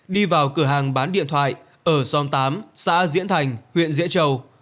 đi vào cửa hàng bán điện thoại ở xóm tám xã diễn thành huyện diễn châu